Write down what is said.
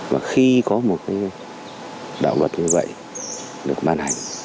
và khi có một đạo luật như vậy được ban hành